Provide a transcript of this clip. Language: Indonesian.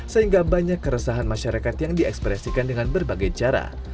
sehingga banyak keresahan masyarakat yang diekspresikan dengan berbagai cara